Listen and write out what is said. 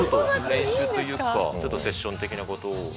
練習というか、ちょっとセッション的なことを。